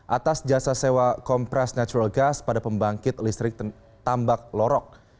atas jasa sewa kompres natural gas pada pembangkit listrik tambak lorok